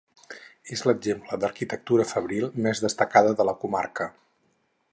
És l'exemple d'arquitectura fabril més destacable de la comarca.